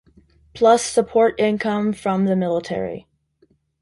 Plus support income from the military.